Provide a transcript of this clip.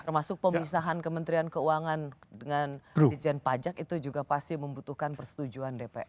termasuk pemisahan kementerian keuangan dengan dijen pajak itu juga pasti membutuhkan persetujuan dpr